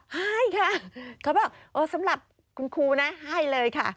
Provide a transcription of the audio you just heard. ให้ค่ะเขาบอกเออสำหรับคุณครูนะให้เลยค่ะ